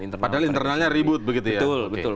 internal partai padahal internalnya ribut begitu ya betul